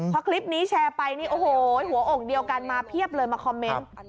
พอคลิปนี้แชร์ไปนี่โอ้โหหัวอกเดียวกันมาเพียบเลยมาคอมเมนต์